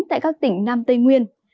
tại các tỉnh nam tây nguyên